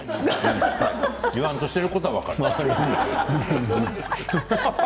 言わんとしてることが分かる。